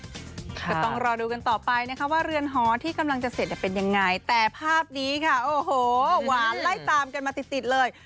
ก็ต้องรอดูกันต่อไปนะคะว่าเรือนหอที่กำลังจะเสร็จเป็นยังไงแต่ภาพนี้ค่ะโอ้โหหวานไล่ตามกันมาติดติดเลย